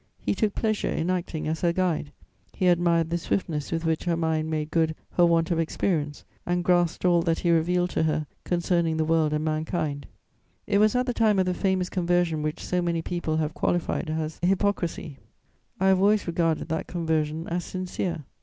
He took pleasure in acting as her guide: he admired the swiftness with which her mind made good her want of experience and grasped all that he revealed to her concerning the world and mankind. It was at the time of the famous conversion which so many people have qualified as hypocrisy. I have always regarded that conversion as sincere.